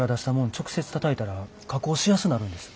直接たたいたら加工しやすなるんです。